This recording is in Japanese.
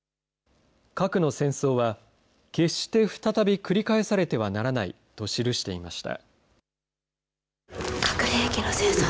核の戦争は決して再び繰り返されてはならないと記していました。